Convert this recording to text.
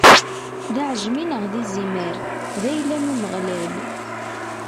D aɛejmi neɣ d izimer, d ayla n Umeɣlal.